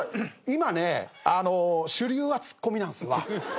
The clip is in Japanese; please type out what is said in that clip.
今ね主流はツッコミなんすわ。